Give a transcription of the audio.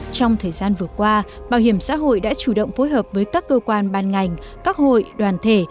trong thời gian vừa qua bảo hiểm xã hội đã chủ động phối hợp với các cơ quan ban ngành các hội đoàn thể